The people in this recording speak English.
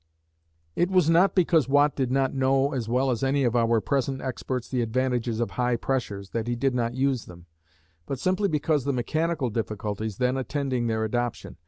It was not because Watt did not know as well as any of our present experts the advantages of high pressures, that he did not use them, but simply because of the mechanical difficulties then attending their adoption.